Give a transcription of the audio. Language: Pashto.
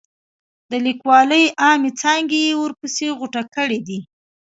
د لیکوالۍ عامې ځانګړنې یې ورپسې غوټه کړي دي.